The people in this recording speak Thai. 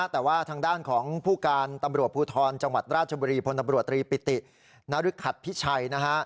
แต่ว่าทางด้านของผู้การตำรวจภูทรจังหวัดราชบุรีพลตำรวจตรีปิตินรึขัดพิชัยนะฮะ